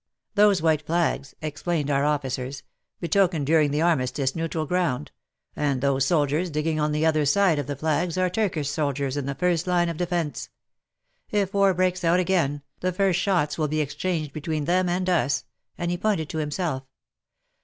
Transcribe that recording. '' Those white flags," explained our officers, 200 WAR AND WOMEN " betoken during the armistice neutral ground, and those soldiers digging on the other side of the flags are Turkish soldiers in the first line of defence. If war breaks out again, the first shots will be exchanged between them and us," and he pointed to himself.